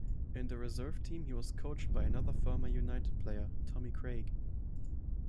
In the reserve team he was coached by another former United player, Tommy Craig.